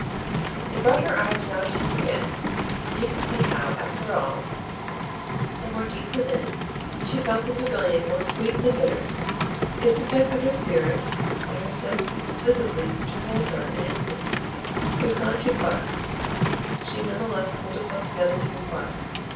It brought her eyes round to him again, and he could see how, after all, somewhere deep within, she felt his rebellion more sweet than bitter. Its effect on her spirit and her sense was visibly to hold her an instant. "We've gone too far," she none the less pulled herself together to reply.